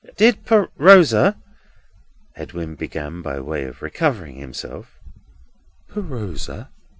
"Did PRosa—" Edwin began by way of recovering himself. "PRosa?"